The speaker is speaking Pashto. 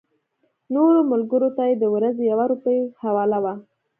نورو ملګرو ته یې د ورځې یوه روپۍ حواله وه.